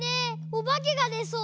おばけがでそう。